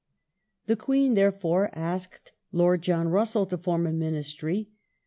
^ The Queen, therefore, asked Lord John Russell to form aMinisteri Ministry.